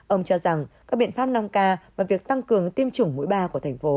ông cho rằng các biện pháp năm k và việc tăng cường tiêm chủng mũi ba của thành phố